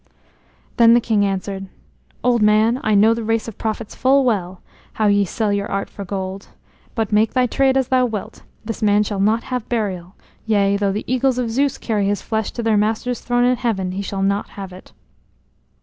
Then the king answered: "Old man, I know the race of prophets full well, how ye sell your art for gold. But make thy trade as thou wilt, this man shall not have burial; yea, though the eagles of Zeus carry his flesh to their master's throne in heaven, he shall not have it."